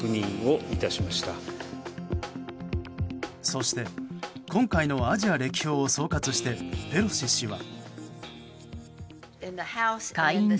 そして、今回のアジア歴訪を総括してペロシ氏は。